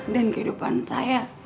dan kehidupan saya